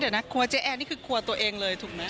เดี๋ยวนะครัวเจ๊แอร์นี่คือครัวตัวเองเลยถูกไหม